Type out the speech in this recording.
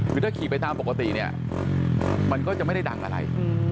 คือถ้าขี่ไปตามปกติเนี่ยมันก็จะไม่ได้ดังอะไร